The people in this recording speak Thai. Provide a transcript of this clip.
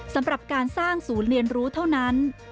สำหรับการสร้างศูนย์เรียนรู้เท่านั้น